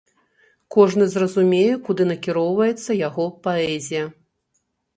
Кожны зразумее куды накіроўваецца яго паэзія.